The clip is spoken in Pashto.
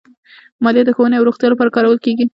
مالیه د ښوونې او روغتیا لپاره کارول کېږي.